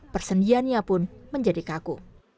persendiannya pun menjadi kaku